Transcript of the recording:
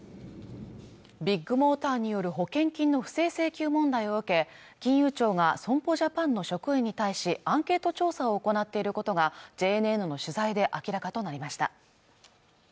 ビッグモーターによる保険金の不正請求問題を受け金融庁が損保ジャパンの職員に対しアンケート調査を行っていることがＪＮＮの取材で明らかとなりました